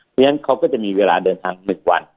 เพราะฉะนั้นเขาก็จะมีเวลาเดินทาง๑วัน